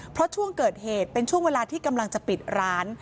เพราะช่วงเกิดเหตุเป็นช่วงเวลาที่กำลังจะปิดร้าน